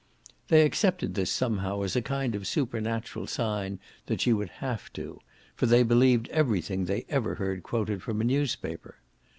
They accepted this somehow as a kind of supernatural sign that she would have to, for they believed everything they ever heard quoted from a newspaper.